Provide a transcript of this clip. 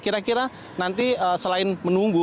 kira kira nanti selain menunggu